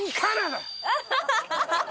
ハハハハッ！